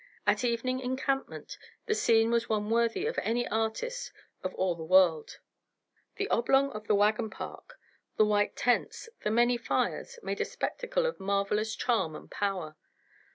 At evening encampment the scene was one worthy of any artist of all the world. The oblong of the wagon park, the white tents, the many fires, made a spectacle of marvelous charm and power.